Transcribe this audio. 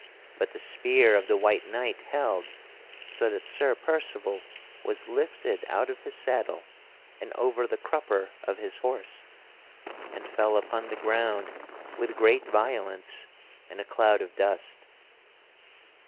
But the spear of the white knight held so that Sir Percival was lifted out of his saddle and over the crupper of his horse, and fell upon the ground with great violence and a cloud of dust.